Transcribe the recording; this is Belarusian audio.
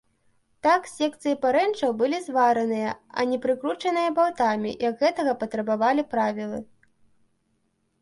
Так секцыі парэнчаў былі звараныя, а не прыкручаныя балтамі, як гэтага патрабавалі правілы.